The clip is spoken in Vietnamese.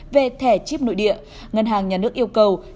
về thẻ chip nội địa ngân hàng nhà nước yêu cầu